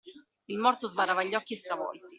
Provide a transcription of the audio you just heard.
Il morto sbarrava gli occhi stravolti.